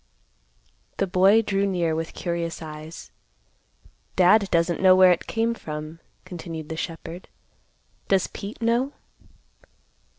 The boy drew near with curious eyes. "Dad doesn't know where it came from," continued the shepherd. "Does Pete know?"